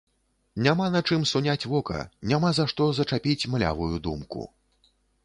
Няма на чым суняць вока, няма за што зачапіць млявую думку.